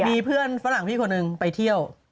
มีเพื่อนฝรั่งพี่คนหนึ่งไปเที่ยว